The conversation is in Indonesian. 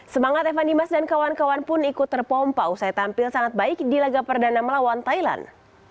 semangat evan dimas dan kawan kawan pun ikut terpompa usai tampil sangat baik di laga perdana melawan thailand